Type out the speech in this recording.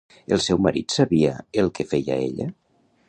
El seu marit sabia el que feia ella?